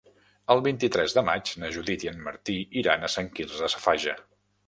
El vint-i-tres de maig na Judit i en Martí iran a Sant Quirze Safaja.